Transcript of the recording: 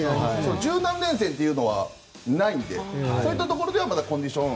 １０何連戦というのはないのでそういったところではまだコンディション